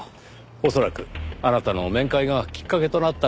恐らくあなたの面会がきっかけとなったのでしょう。